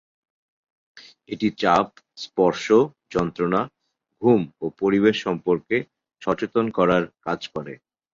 এটি চাপ, স্পর্শ, যন্ত্রণা, ঘুম ও পরিবেশ সম্পর্কে সচেতন করার কাজ করে।